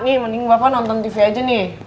nih mending bapak nonton tv aja nih